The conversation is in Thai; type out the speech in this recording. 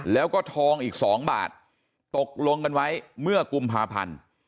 แล้วก็ทองอีก๒บาทตกลงกันไว้เมื่อกุมภาพันธ์